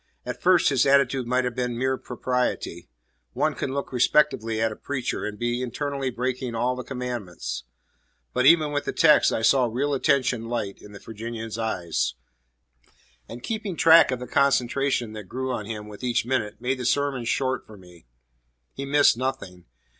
At first his attitude might have been mere propriety. One can look respectfully at a preacher and be internally breaking all the commandments. But even with the text I saw real attention light in the Virginian's eye. And keeping track of the concentration that grew on him with each minute made the sermon short for me. He missed nothing.